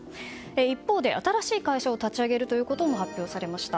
一方で新しい会社を立ち上げるということも発表されました。